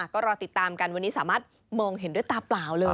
ก็รอติดตามกันวันนี้สามารถมองเห็นด้วยตาเปล่าเลย